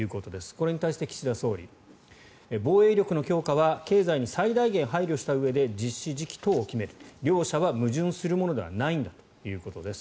これに対して、岸田総理防衛力の強化は経済に最大限配慮したうえで実施時期等を決める。両者は矛盾するものではないんだということです。